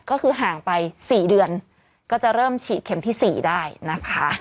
ก็คือห่างไป๔เดือนก็จะเริ่มฉีดเข็มที่๔ได้นะคะ